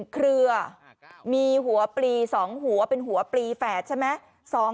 เครือมีหัวปลี๒หัวเป็นหัวปลีแฝดใช่ไหม